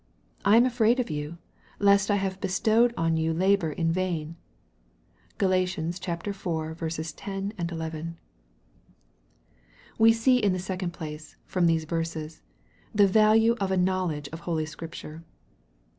I am afraid of you, lest I have bestowed on you labor in vain." (G al. iv. 10, 11.) We see, in the second place, from these verses, the value of a knowledge of holy Scripture.